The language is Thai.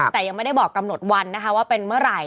แต่ยังไม่ได้บอกกำหนดวันนะคะว่าเป็นเมื่อไหร่